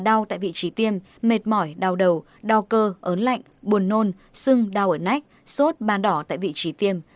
đau tại vị trí tiêm mệt mỏi đau đầu đau cơ ớn lạnh buồn nôn sưng đau ở nách sốt ban đỏ tại vị trí tiêm